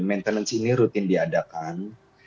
maintenance ini rutin diadakan